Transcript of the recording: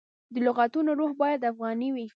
د لغتونو روح باید افغاني وي.